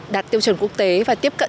đạt tiêu chuẩn quốc tế và tiếp cận